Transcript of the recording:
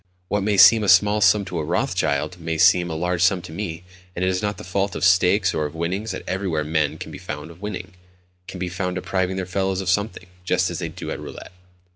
What may seem a small sum to a Rothschild may seem a large sum to me, and it is not the fault of stakes or of winnings that everywhere men can be found winning, can be found depriving their fellows of something, just as they do at roulette.